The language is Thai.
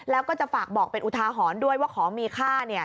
แล้วก็จะฝากบอกเป็นอุทาหรณ์ด้วยว่าของมีค่า